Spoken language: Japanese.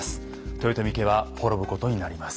豊臣家は滅ぶことになります。